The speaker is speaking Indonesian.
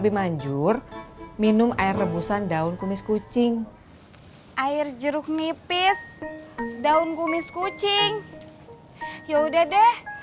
lebih manjur minum air rebusan daun kumis kucing air jeruk nipis daun kumis kucing yaudah deh